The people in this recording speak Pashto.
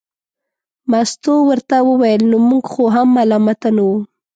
مستو ورته وویل نو موږ خو هم ملامته نه وو.